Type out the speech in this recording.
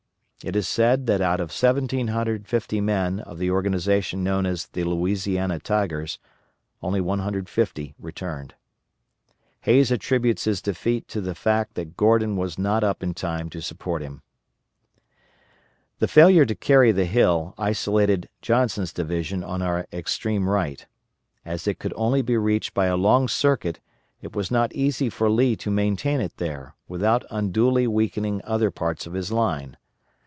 It is said that out of 1,750 men of the organization known as "The Louisiana Tigers," only 150 returned. Hays attributes his defeat to the fact that Gordon was not up in time to support him. The failure to carry the hill isolated Johnson's division on our extreme right. As it could only be reached by a long circuit it was not easy for Lee to maintain it there, without unduly weakening other parts of his line.